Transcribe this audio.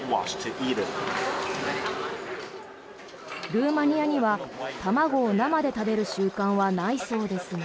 ルーマニアには卵を生で食べる習慣はないそうですが。